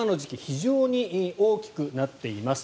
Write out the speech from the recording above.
非常に大きくなっています。